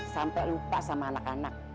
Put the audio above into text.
sampai lupa sama anak anak